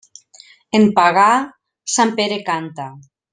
En pagar, sant Pere canta.